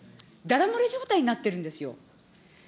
だだ洩れ状態になってるんですよ。